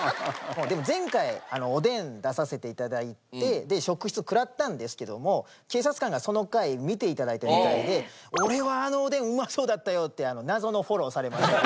でも前回おでん出させていただいて職質を食らったんですけども警察官がその回見ていただいたみたいで「俺はあのおでんうまそうだったよ」って謎のフォローされました。